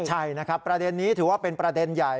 ใช่นะครับประเด็นนี้ถือว่าเป็นประเด็นใหญ่